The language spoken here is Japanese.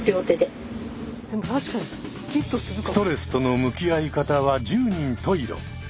ストレスとの向き合い方は十人十色。